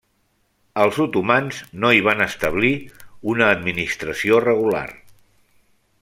Els otomans no hi van establir una administració regular.